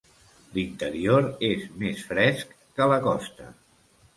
L'interior és més fresc que la costa.